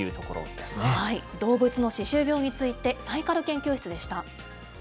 動物の歯周病について、サイカル研究室でした。